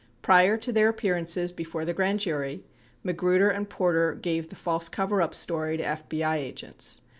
6 Prior to their appearances before the grand jury, Magruder and Porter gave the false coverup story to FBI agents.